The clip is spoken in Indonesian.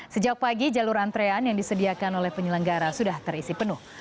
sejak pagi jalur antrean yang disediakan oleh penyelenggara sudah terisi penuh